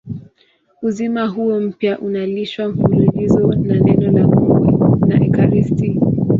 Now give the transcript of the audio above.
Uzima huo mpya unalishwa mfululizo na Neno la Mungu na ekaristi.